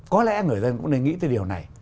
có lẽ người dân cũng nên nghĩ tới điều này